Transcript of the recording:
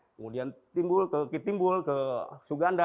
kemudian timbul ke kitimbul ke suganda